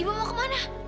ibu mau kemana